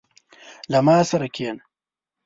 • له ما سره کښېنه.